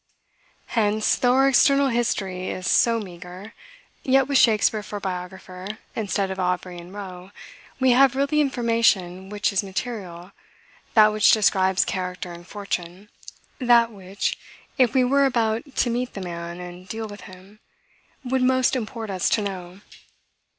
Hence, though our external history is so meager, yet, with Shakspeare for biographer, instead of Aubrey and Rowe, we have really the information which is material, that which describes character and fortune; that which, if we were about to meet the man and deal with him, would most import us to know.